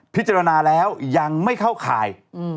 พิจารณาแล้วยังไม่เข้าข่าย